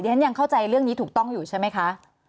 ฉันยังเข้าใจเรื่องนี้ถูกต้องอยู่ใช่ไหมคะ